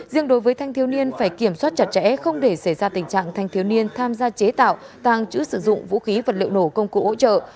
riêng đối với thanh thiếu niên phải kiểm soát chặt chẽ không để xảy ra tình trạng thanh thiếu niên tham gia chế tạo tàng trữ sử dụng vũ khí vật liệu nổ công cụ hỗ trợ